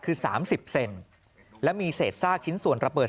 คือ๓๐เซนและมีเศษซากชิ้นส่วนระเบิด